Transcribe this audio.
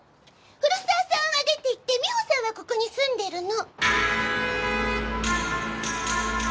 古沢さんは出ていって美穂さんはここに住んでるの。